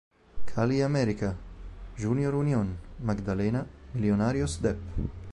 Cali-América; Junior-Unión Magdalena; Millonarios-Dep.